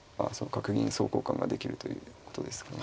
角銀総交換ができるということですかね。